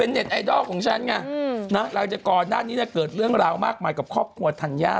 เป็นเน็ตไอดอลของฉันลังจากก่อนนานนี้เกิดเรื่องราวมากมายกับครอบครัวธัญญา